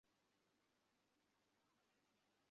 ঠিক এমন সময়টিতেই সেখানে গোরা আসিয়া উপস্থিত।